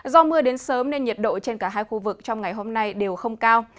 do mưa đến sớm nên nhiệt độ trên cả hai khu vực trong ngày hôm nay đều không cao